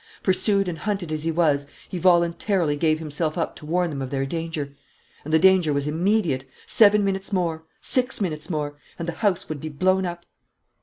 Pursued and hunted as he was, he voluntarily gave himself up to warn them of their danger. And the danger was immediate. Seven minutes more, six minutes more and the house would be blown up.